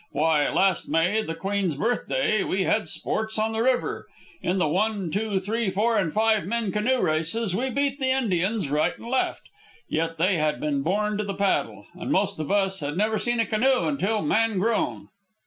Why, last May, the Queen's birthday, we had sports on the river. In the one, two, three, four, and five men canoe races we beat the Indians right and left. Yet they had been born to the paddle, and most of us had never seen a canoe until man grown."